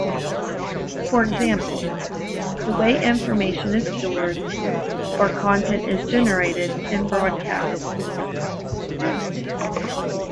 For example, the way information is stored, or content is generated and broadcast.